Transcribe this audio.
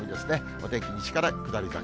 お天気、二死から下り坂。